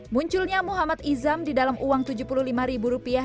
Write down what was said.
munculnya muhammad izam di dalam uang tujuh puluh lima ribu rupiah